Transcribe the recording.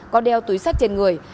có đeo túi sách trên người